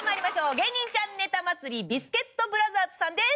『芸人ちゃんネタ祭り』ビスケットブラザーズさんです。